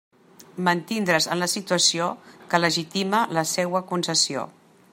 Mantindre's en la situació que legitima la seua concessió.